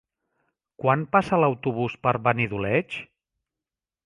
Quan passa l'autobús per Benidoleig?